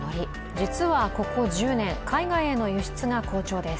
実はここ１０年、海外への輸出が好調です。